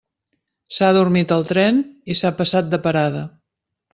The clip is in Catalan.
S'ha adormit al tren i s'ha passat de parada.